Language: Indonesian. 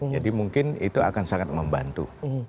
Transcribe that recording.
jadi mungkin itu akan sangat membantu